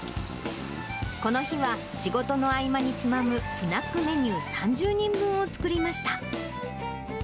この日は仕事の合間につまむスナックメニュー３０人分を作りました。